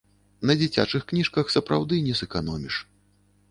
На дзіцячых кніжках, сапраўды, не сэканоміш.